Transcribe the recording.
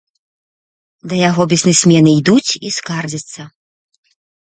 Да яго бізнэсмены ідуць і скардзяцца.